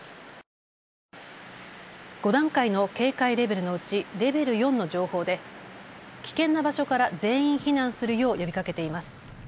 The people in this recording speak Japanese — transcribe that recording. ５段階の警戒レベルのうちレベル４の情報で危険な場所から全員避難するよう呼びかけています。